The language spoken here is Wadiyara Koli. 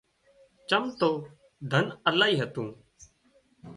چم تو ڌن الاهي هتون